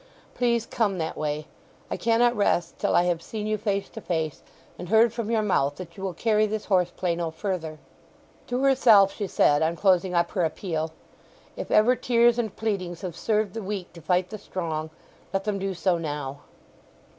Please come that way. I cannot rest till I have seen you face to face, and heard from your mouth that you will carry this horse play no further." To herself she said, on closing up her appeal: "If ever tears and pleadings have served the weak to fight the strong, let them do so now!"